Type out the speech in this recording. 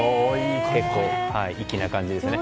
結構、粋な感じですね。